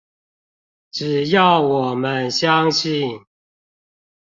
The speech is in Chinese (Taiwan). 只要我們相信